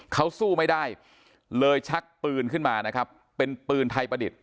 เขาสู้ไม่ได้เลยชักปืนขึ้นมานะครับเป็นปืนไทยประดิษฐ